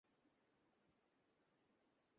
কাউকে ভয় পেত না।